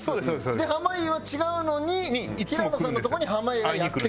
で濱家は違うのに平野さんのとこに濱家がやって来ると？